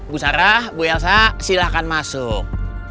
bu sarah bu elsa silahkan masuk